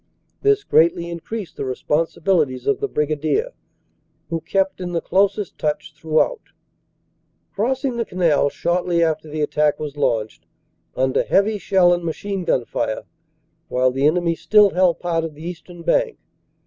This greatly increased the responsibilities of the Brigadier, who kept in the closest touch throughout, crossing the canal shortly after the attack was launched, under heavy shell and machine gun fire, while the enemy still held part of the eastern bank.